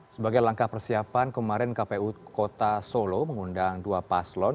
sebagai langkah persiapan kemarin kpu kota solo mengundang dua paslon